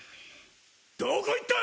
・どこ行った！